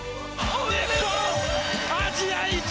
おめでとう！